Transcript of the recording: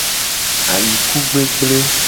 Ayikugbegble.